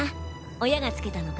親がつけたのか？